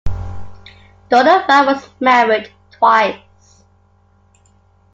Donovan was married twice.